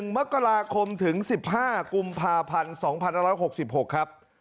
๑มกราคมถึง๑๕กุมภาพันธ์๒๑๖๖ครับ